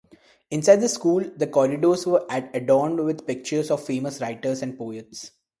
Inside the school, the corridors were adorned with pictures of famous writers and poets.